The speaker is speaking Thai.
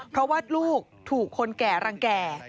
เพราะว่าลูกถูกคนแก่รังแก่